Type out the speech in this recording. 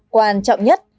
quan trọng nhất